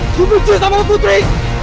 gue kecil sama lo putri